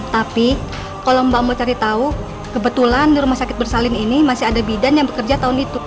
tapi kalau mbak mau cari tahu kebetulan di rumah sakit bersalin ini masih ada bidan yang bekerja tahun itu